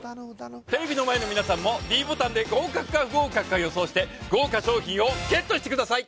テレビの前の皆さんもｄボタンで合格か不合格か予想して豪華賞品をＧＥＴしてください